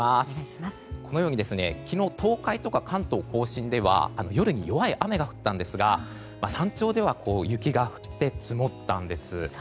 このように昨日東海とか関東・甲信では夜に弱い雨が降ったんですが山頂では雪が降って積もったんです。